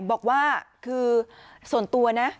บอกว่าคือส่วนตัวนะ